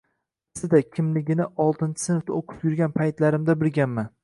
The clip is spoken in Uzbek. Aslida kimligimni oltinchi sinfda o`qib yurgan paytlarimda bilganman